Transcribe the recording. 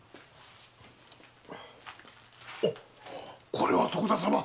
これは徳田様。